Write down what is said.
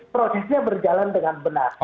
projeknya berjalan dengan benar